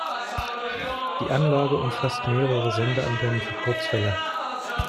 Die Anlage umfasst mehrere Sendeantennen für Kurzwelle.